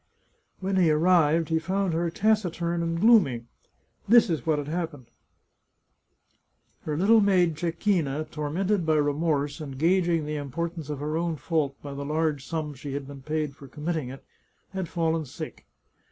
When he arrived, he found her taciturn and gloomy. This is what had happened. Her little maid Cecchina, tor mented by remorse and gauging the importance of her own fault by the large sum she had been paid for committing it, had fallen sick.